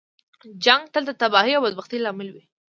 جنګ تل د تباهۍ او بدبختۍ لامل وي.